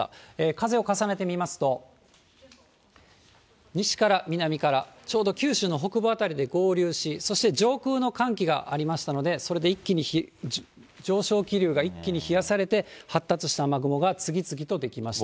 風を重ねてみますと、西から南から、ちょうど九州の北部辺りで合流し、そして上空の寒気がありましたので、それで一気に上昇気流が一気に冷やされて、発達した雨雲が次々と出来ました。